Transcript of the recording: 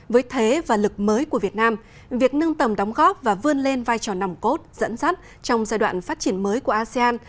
với thế và lực mới của việt nam việc nâng tầm đóng góp và vươn lên vai trò nằm cốt dẫn dắt trong giai đoạn phát triển mới của asean